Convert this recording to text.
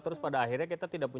terus pada akhirnya kita tidak punya